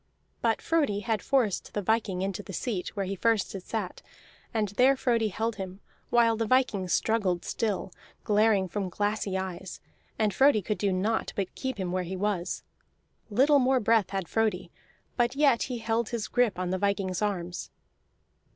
But Frodi had forced the viking into the seat where first he had sat; and there Frodi held him, while the viking struggled still, glaring from glassy eyes, and Frodi could do naught but keep him where he was. Little more breath had Frodi, but yet he held his grip on the viking's arms.